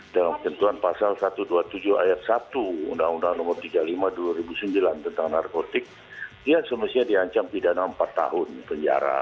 dalam tentuan pasal satu ratus dua puluh tujuh ayat satu undang undang nomor tiga puluh lima dua ribu sembilan tentang narkotik dia semestinya diancam pidana empat tahun penjara